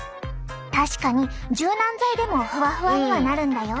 確かに柔軟剤でもふわふわにはなるんだよ。